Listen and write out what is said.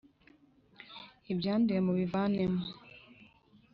Ibyanduye mubivanemo.